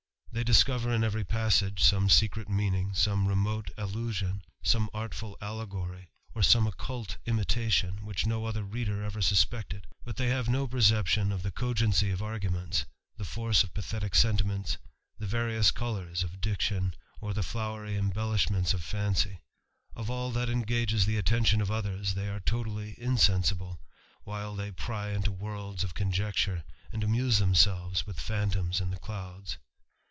They disco\ in every passage some secret meaning, some remot^^ allusion, some artful allegory, or some occult imitatioiL ^ which no other reader ever suspected; but they have perception of the cogency of arguments, the force o pathetick sentiments, the various colours of diction, o:^ the flowery embellishments of fancy ; of all that engage fs the attention of others they are totally insensible, whil^ they pry into worlds of conjecture, and amuse themsdvcws with phantoms in the clouds.